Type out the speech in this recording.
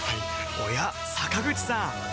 おや坂口さん